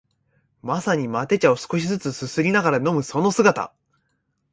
まさにマテ茶を少しづつすすりながら飲むその姿